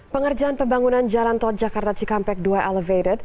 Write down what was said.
pengerjaan pembangunan jalan tol jakarta cikampek dua elevated